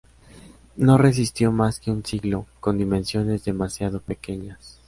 No resistió más que un siglo, con dimensiones demasiado pequeñas.